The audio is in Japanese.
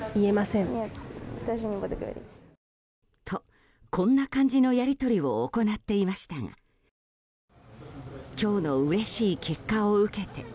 と、こんな感じのやり取りを行っていましたが今日のうれしい結果を受けて。